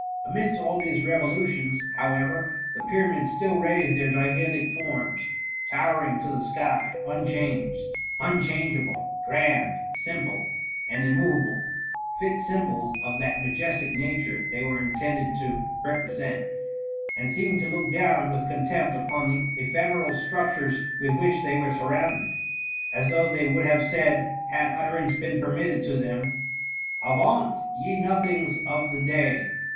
Amidst all these revolutions, however, the Pyramids still raised their gigantic forms, tow ering to the sky ; unchanged, unchangeable, grand, simple, and immovable, fit symbols of that majestic nature they were intended to 190 THE MVKMY. represent, and seeming to look down with contempt upon the ephemeral structures with which they were surrounded ; as though they would have said, had utterance been permit ted to them — "Avaunt, ye nothings of the day